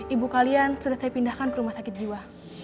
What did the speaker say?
ibu kalian sudah saya pindahkan ke rumah sakit jiwa